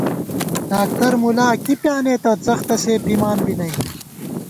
ڈاکتر مُلا کی پیانېتہ څختہ سے پِمان بی نئ